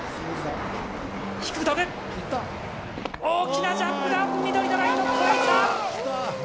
大きなジャンプだ。